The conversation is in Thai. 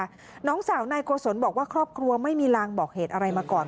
น้องสาวนายโกศลบอกว่าครอบครัวไม่มีลางบอกเหตุอะไรมาก่อน